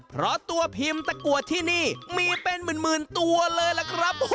เพราะตัวพิมพ์ตะกัวที่นี่มีเป็นหมื่นตัวเลยล่ะครับ